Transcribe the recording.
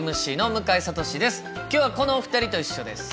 今日はこのお二人と一緒です。